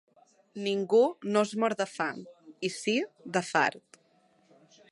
Ningú no es mor de fam, i sí de fart.